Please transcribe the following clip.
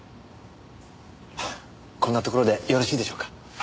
こんなところでよろしいでしょうか？